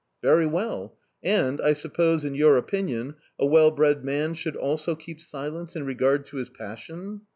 "Very well! And, I suppose, in your opinion, a well bred man should also keep silence in regard to his passion?"...